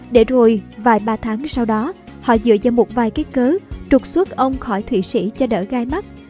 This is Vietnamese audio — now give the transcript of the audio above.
để rồi vài ba tháng sau đó họ dựa ra một vài cái cớ trục xuất ông khỏi thụy sĩ cho đỡ gai mắt